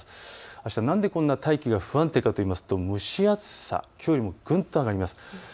あした、なぜこんなに大気が不安定かといいますと蒸し暑さ、きょうよりもぐんと上がります。